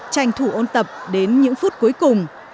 tranh thủ ôn tập đến những phút cuối cùng